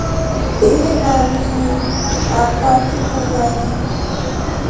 Ini na mii akwe tukundani.